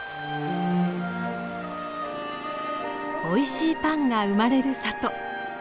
おいしいパンが生まれる里。